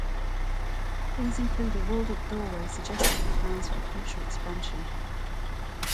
These include a walled-up doorway suggestive of plans for future expansion.